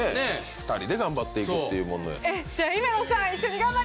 ２人で頑張っていくっていうものやから。